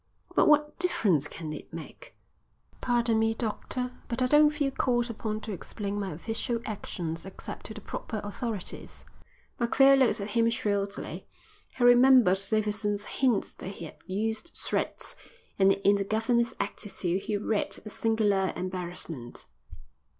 "But what difference can it make?" "Pardon me, doctor, but I don't feel called upon to explain my official actions except to the proper authorities." Macphail looked at him shrewdly. He remembered Davidson's hint that he had used threats, and in the governor's attitude he read a singular embarrassment.